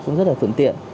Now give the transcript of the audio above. cũng rất là phượng tiện